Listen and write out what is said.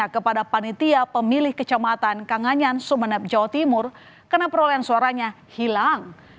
kepada panitia pemilih kecamatan kanganyan sumeneb jawa timur karena perolehan suaranya hilang